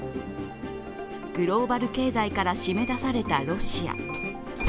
グローバル経済から締め出されたロシア。